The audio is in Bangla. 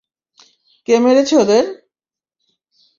কে মেরেছে ওদের?